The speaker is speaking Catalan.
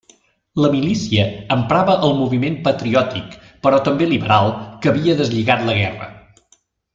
La Milícia emparava el moviment patriòtic, però també liberal, que havia deslligat la guerra.